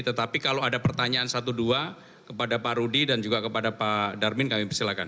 tetapi kalau ada pertanyaan satu dua kepada pak rudi dan juga kepada pak darmin kami persilahkan